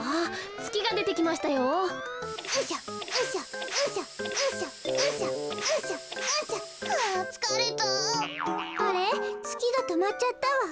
つきがとまっちゃったわ。